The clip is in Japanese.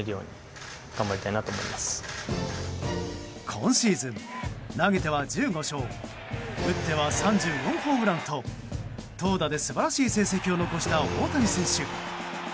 今シーズン、投げては１５勝打っては３４ホームランと投打で素晴らしい成績を残した大谷選手。